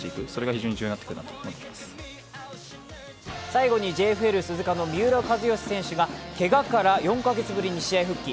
最後にＪＦＬ、鈴鹿の三浦知良選手が、けがから４か月ぶりに試合復帰。